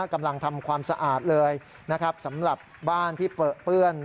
กำลังทำความสะอาดเลยนะครับสำหรับบ้านที่เปลือเปื้อน